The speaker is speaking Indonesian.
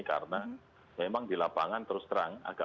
karena memang di lapangan terus terang agak